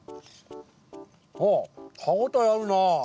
あっ歯応えあるな。